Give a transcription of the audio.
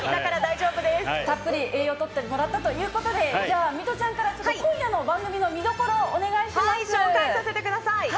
たっぷり栄養とってもらったということで、きょうは水卜ちゃんから、今夜の番組の見どころを紹介させてください。